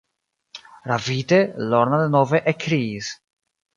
Ravite, Lorna denove ekkriis: